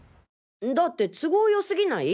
だって都合よすぎない？